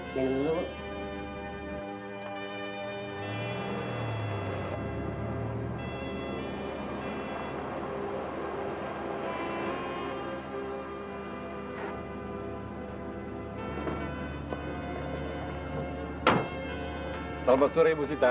salam sejahtera ibu sita